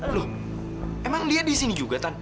loh emang lia di sini juga tan